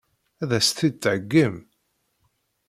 Ad as-t-id-theggim?